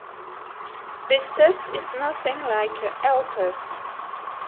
The test is nothing like an L-test.